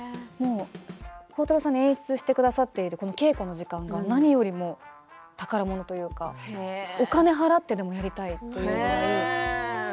鋼太郎さんが演出してくださっている稽古の時間が何よりも宝物というかお金を払ってでもやりたい。